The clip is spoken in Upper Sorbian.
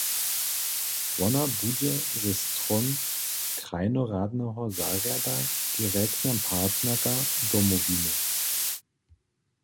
Wona budźe ze stron krajnoradneho zarjada direktna partnerka Domowiny.